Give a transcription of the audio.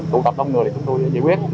tụ tập đông người thì chúng tôi giải quyết